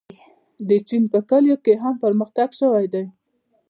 د چین په کلیو کې هم پرمختګ شوی دی.